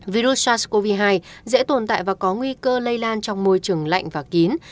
virus sars cov hai dễ tồn tại và có nguy cơ lây lan trong môi trường lạnh và kín